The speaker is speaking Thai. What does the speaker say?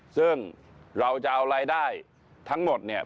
ซึ่งเราจะเอารายได้ทั้งหมดเนี่ย